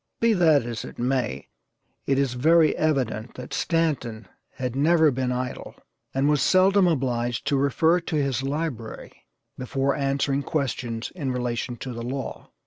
Be that as it may, it is very evident that Stanton had never been idle, and was seldom obliged to 'refer to his library' before answering questions in relation to the law.